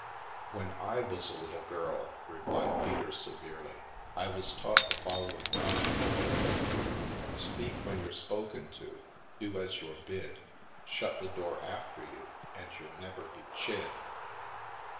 " When / was a little girl," replied Peter severely, " I was taught the following rhyme: " Speak when you're spoken to, Do as you're bid, Shut the door after you, And you'll never be chid."